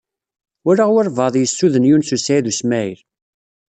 Walaɣ walebɛaḍ yessuden Yunes u Saɛid u Smaɛil.